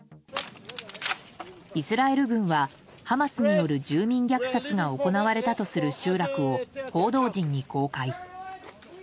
イスラエル軍はハマスによる住民虐殺が行われたとする集落を報道陣に公開。